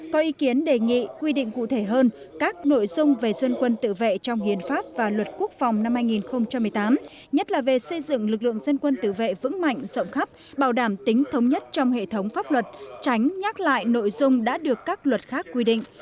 có ý kiến đề nghị quy định cụ thể hơn các nội dung về dân quân tự vệ trong hiến pháp và luật quốc phòng năm hai nghìn một mươi tám nhất là về xây dựng lực lượng dân quân tự vệ vững mạnh rộng khắp bảo đảm tính thống nhất trong hệ thống pháp luật tránh nhắc lại nội dung đã được các luật khác quy định